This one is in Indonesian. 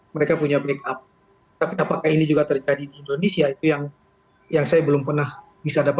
mereka punya backup tapi apakah ini juga terjadi indonesia itu yang yang saya belum pernah bisa